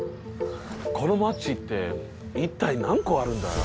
この街って一体何個あるんだよ？